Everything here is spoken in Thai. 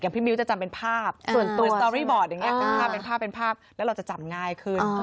อย่างพี่มิวจะจำเป็นภาพส่วนตัวอย่างนี้เป็นภาพแล้วเราจะจำง่ายขึ้น